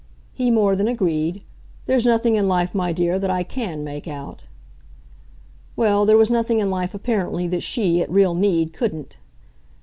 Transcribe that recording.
He more than agreed. "There's nothing in life, my dear, that I CAN make out." Well, there was nothing in life, apparently, that she, at real need, couldn't.